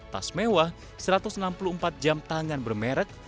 dua ratus sembilan puluh empat tas mewah satu ratus enam puluh empat jam tangan bermerek